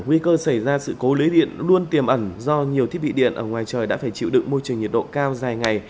nguy cơ xảy ra sự cố lưới điện luôn tiềm ẩn do nhiều thiết bị điện ở ngoài trời đã phải chịu đựng môi trường nhiệt độ cao dài ngày